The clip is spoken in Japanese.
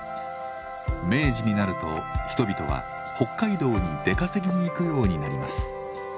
明治になると人々は北海道に出稼ぎに行くようになります。